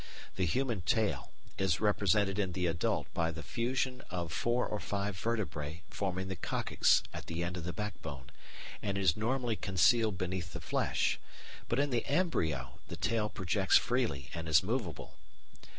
The human tail is represented in the adult by a fusion of four or five vertebræ forming the "coccyx" at the end of the backbone, and is normally concealed beneath the flesh, but in the embryo the tail projects freely and is movable.